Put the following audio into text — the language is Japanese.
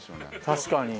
確かに。